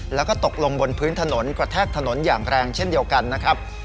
แล้วก็ตกลงบนพื้นถนนกระแทกถนนอย่างแรงเช่นเดียวกันนะครับ